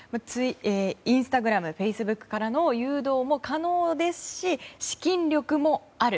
インスタグラムフェイスブックからの誘導も可能ですし資金力もある。